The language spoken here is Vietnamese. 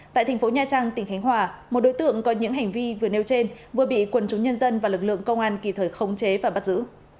tại thành phố nha trang tỉnh khánh hòa một đối tượng có những hành vi vừa nêu trên vừa bị quần chúng nhân dân và lực lượng công an kỳ thời khống chế và bắt giữ